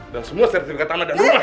dan semua sertifikat aman dan rumah